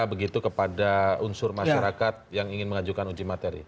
begitu kepada unsur masyarakat yang ingin mengajukan uji materi